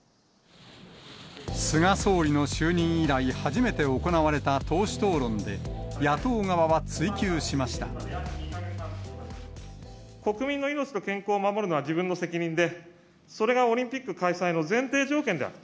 菅総理の就任以来初めて行われた党首討論で、国民の命と健康を守るのは自分の責任で、それがオリンピック開催の前提条件である。